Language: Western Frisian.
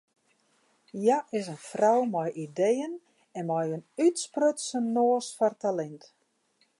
Hja is in frou mei ideeën en mei in útsprutsen noas foar talint.